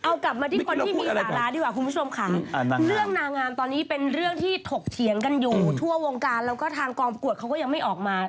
เอากลับมาที่คนที่มีสาระดีกว่าคุมชุมคำ